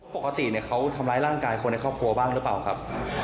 ปกติเขาทำร้ายร่างกายคนในครอบครัวบ้างหรือเปล่าครับ